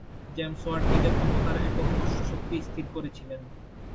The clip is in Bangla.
জেমস ওয়াট নিজে ক্ষমতার একক "অশ্ব শক্তি" স্থির করেছিলেন।